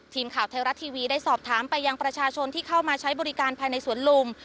ทีมข่าวไทยรัฐทีวีได้สอบถามไปยังประชาชนที่เข้ามาใช้บริการภายในสวนลุม